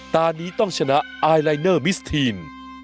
ตอนนี้ต้องชนะไอลายเนอร์มิสทีน